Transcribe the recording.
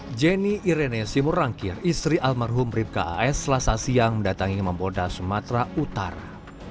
hai jenny irene simurangkir istri almarhum ribka es selasa siang datangnya mempoda sumatera utara